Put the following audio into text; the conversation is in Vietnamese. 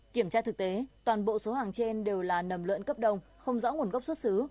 kiểm tra thực tế toàn bộ số hàng trên đều là nầm lợn cấp đông không rõ nguồn gốc xuất xứ